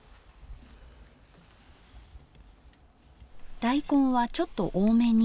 大根はちょっと多めに。